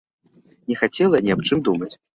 Не хацела ні аб чым думаць.